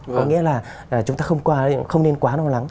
có nghĩa là chúng ta không nên quá lo lắng